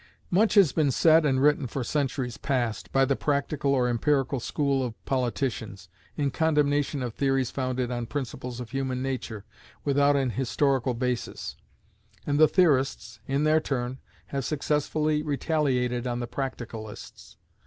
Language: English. Much has been said and written for centuries past, by the practical or empirical school of politicians, in condemnation of theories founded on principles of human nature, without an historical basis; and the theorists, in their turn, have successfully retaliated on the practicalists.